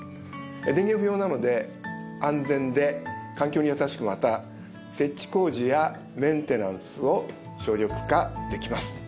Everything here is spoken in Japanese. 電源不要なので安全で環境に優しくまた設置工事やメンテナンスを省力化できます。